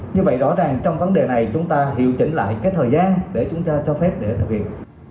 như vậy rõ ràng trong vấn đề này chúng ta hiệu chỉnh lại cái thời gian để chúng ta cho phép để thực hiện